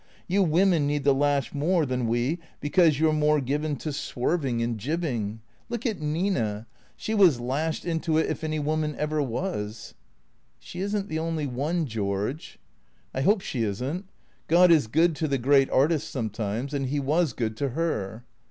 You women need the lash more than we because you 're more given to swerving 482 THECEEATOKS and jibbing. Look at Nina. She was lashed into it if any woman ever was." " She is n't the only one, George." " I hope she is n't. God is good to the great artists some times, and he was good to her."